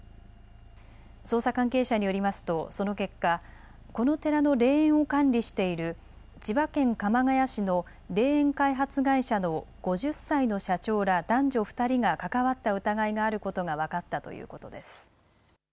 捜査関係者によりますとその結果、この寺の霊園を管理している千葉県鎌ケ谷市の霊園開発会社の５０歳の社長ら男女２人が関わった疑いがあることが分かったということです。